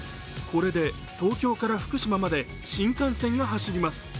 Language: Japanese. これで東京から福島まで新幹線が走ります。